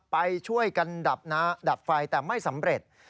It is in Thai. ไปช่วยกันดับไฟแต่ไม่สำเร็จ